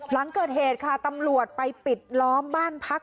หลังเกิดเหตุค่ะตำรวจไปปิดล้อมบ้านพัก